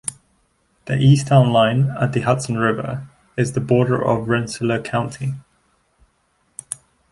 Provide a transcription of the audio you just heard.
The east town line, at the Hudson River, is the border of Rensselaer County.